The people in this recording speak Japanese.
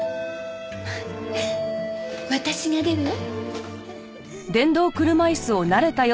私が出るわ。